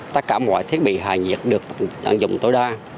tất cả mọi thiết bị hài nhiệt được dùng tối đa